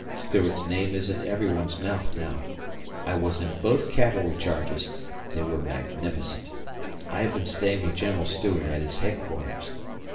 Stuart's name is in every one's mouth now. I was in both cavalry charges, they were magnificent. ... I have been staying with General Stuart at his headquarters.